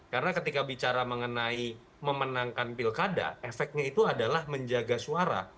karena ketika bicara mengenai memenangkan pilkada efeknya itu adalah menjaga suara